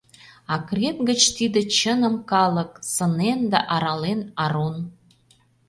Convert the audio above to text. Акрет гыч тиде чыным калык Сынен да арален арун.